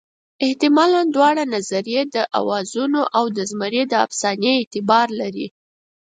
حتمالاً دواړه نظریې د اوازو او د زمري د افسانې اعتبار لري.